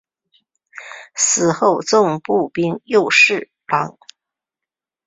死后赠兵部右侍郎。